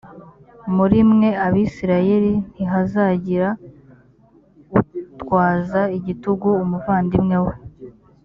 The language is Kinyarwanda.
muri mwe abisirayeli ntihazagire utwaza igitugu umuvandimwe we